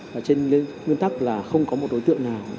và trên nguyên tắc là không có một đối tượng nào